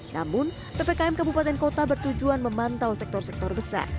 namun ppkm kabupaten kota bertujuan memantau sektor sektor besar